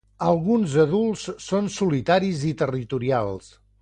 Alguns adults són solitaris i territorials.